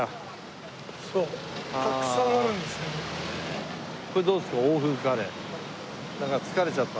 たくさんあるんですけど。